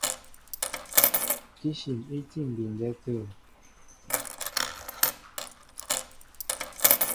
Kíshim í tí á mbindɛ tê.